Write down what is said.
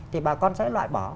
thì bà con sẽ loại bỏ